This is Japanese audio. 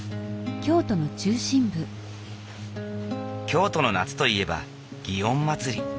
京都の夏といえば園祭。